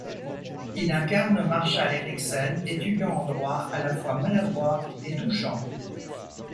Il incarne Marshall Eriksen, étudiant en droit à la fois maladroit et touchant.